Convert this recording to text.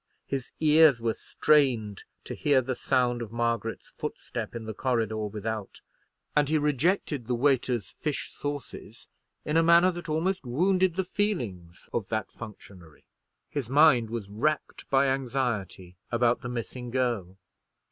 His ears were strained to hear the sound of Margaret's footstep in the corridor without; and he rejected the waiter's fish sauces in a manner that almost wounded the feelings of that functionary. His mind was racked by anxiety about the missing girl.